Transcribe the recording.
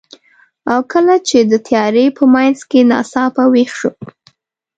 او کله چې د تیارې په منځ کې ناڅاپه ویښ شوم،